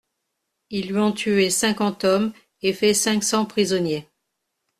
Ils lui ont tué cinquante hommes et fait cinq cents prisonniers.